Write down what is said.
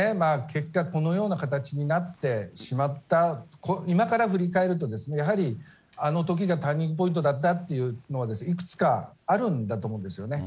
結果、このような形になってしまった、今から振り返ると、やはりあのときがターニングポイントだったっていうのが、いくつかあるんだと思うんですよね。